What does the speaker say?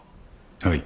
はい。